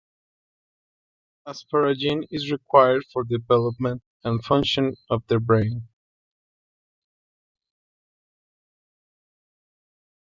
Asparagine is required for development and function of the brain.